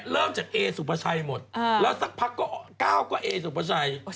แล้วก็ฮไอสุปชัยอสโมซิส